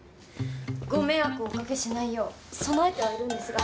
ご迷惑をおかけしないよう備えてはいるんですが。